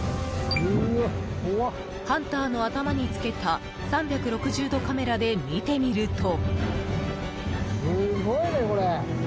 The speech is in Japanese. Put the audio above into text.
ハンターの頭に付けた３６０度カメラで見てみると。